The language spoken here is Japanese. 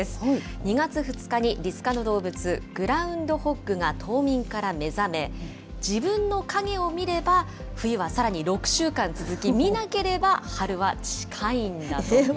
２月２日にリス科の動物、グラウンドホッグが冬眠から目覚め、自分の影を見れば、冬はさらに６週間続き、見なければ春は近いんだとか。